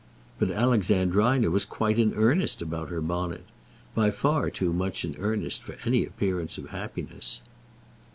But Alexandrina was quite in earnest about her bonnet; by far too much in earnest for any appearance of happiness.